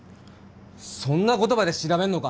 そんなことまで調べんのか！？